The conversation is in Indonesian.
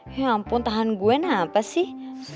ya ampun tahan gue napa sih